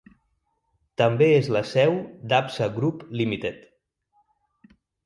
També és la seu d'Absa Group Limited.